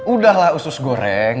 udahlah usus goreng